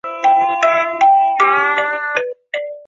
该城市是阿拉斯加州中央东部的城市。